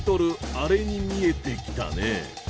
あれに見えてきたね。